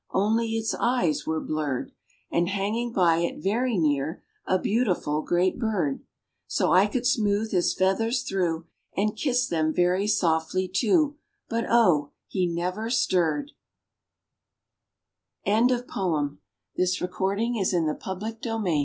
Only its eyes were blurred; And hanging by it, very near, A beautiful great Bird. So I could smooth his feathers through, And kiss them, very softly, too: But Oh, he never stirred! Little Side Streets Why are some streets so different?